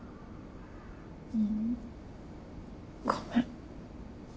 ううんごめん。